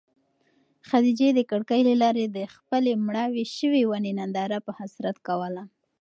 خدیجې د کړکۍ له لارې د خپلې مړاوې شوې ونې ننداره په حسرت کوله.